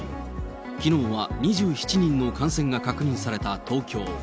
きのうは２７人の感染が確認された東京。